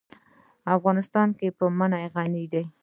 افغانستان په منی غني دی.